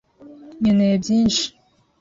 Nkeneye byinshi.